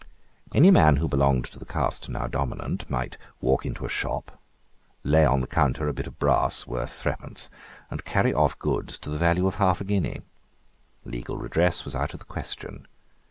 Any man who belonged to the caste now dominant might walk into a shop, lay on the counter a bit of brass worth threepence, and carry off goods to the value of half a guinea. Legal redress was out of the question.